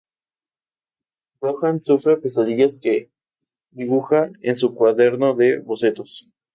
Johan sufre pesadillas que dibuja en su cuaderno de bocetos.